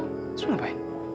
terus lu ngapain